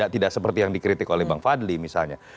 tidak seperti yang dikritik oleh bang fadli misalnya